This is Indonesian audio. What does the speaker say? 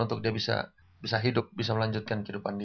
untuk dia bisa hidup bisa melanjutkan kehidupan dia